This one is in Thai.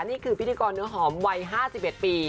นี่คือพิธีกรเนื้อหอมวัย๕๑ปี